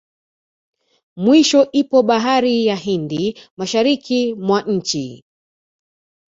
Mwisho ipo bahari ya Hindi mashariki mwa nchi